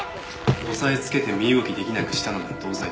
押さえつけて身動き出来なくしたのなら同罪だ。